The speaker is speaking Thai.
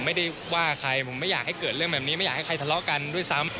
ไม่ได้ว่าใครผมไม่อยากให้เกิดเรื่องแบบนี้ไม่อยากให้ใครทะเลาะกันด้วยซ้ำ